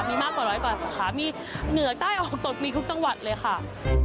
มีมากกว่าร้อยกว่าสาขามีเหนือใต้ออกตกมีทุกจังหวัดเลยค่ะ